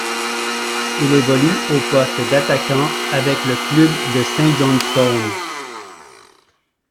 Il évolue au poste d'attaquant avec le club de Saint Johnstone.